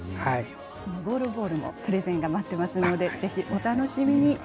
ゴールボールもプレゼンが待っていますので、お楽しみに。